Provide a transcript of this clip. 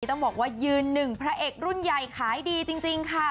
ต้องบอกว่ายืนหนึ่งพระเอกรุ่นใหญ่ขายดีจริงค่ะ